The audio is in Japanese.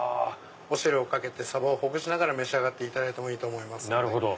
お汁をかけてサバをほぐしながら召し上がってもいいと思います。